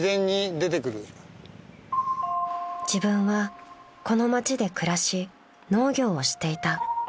［自分はこの町で暮らし農業をしていた］